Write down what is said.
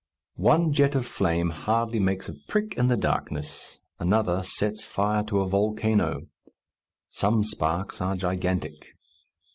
One jet of flame hardly makes a prick in the darkness; another sets fire to a volcano. Some sparks are gigantic.